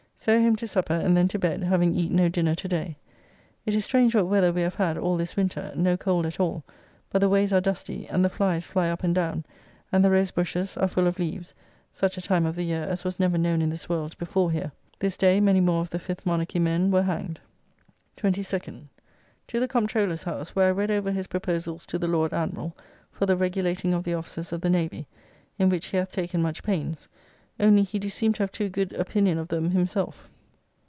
So home to supper and then to bed, having eat no dinner to day. It is strange what weather we have had all this winter; no cold at all; but the ways are dusty, and the flyes fly up and down, and the rose bushes are full of leaves, such a time of the year as was never known in this world before here. This day many more of the Fifth Monarchy men were hanged. 22nd. To the Comptroller's house, where I read over his proposals to the Lord Admiral for the regulating of the officers of the Navy, in which he hath taken much pains, only he do seem to have too good opinion of them himself.